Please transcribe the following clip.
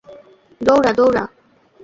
দৌড়া, দৌড়া!